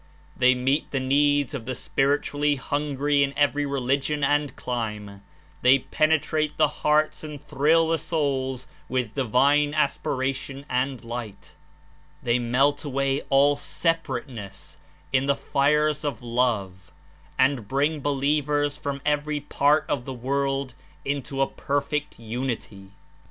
They meet the needs of the spiritually hungry in every religion and clime; they penetrate the hearts and thrill the souls w^ith divine aspiration and light; they melt away all separateness in the fires of love and bring believers from every part of the world into a perfect unity.